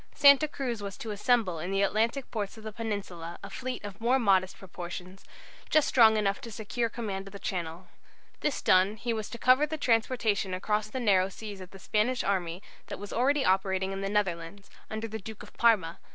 Santa Cruz was to assemble in the Atlantic ports of the Peninsula a fleet of more modest proportions, just strong enough to secure command of the Channel. This done, he was to cover the transportation across the narrow seas of the Spanish army that was already operating in the Netherlands, under the Duke of Parma.